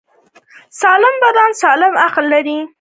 سالم بدن سالم عقل لري.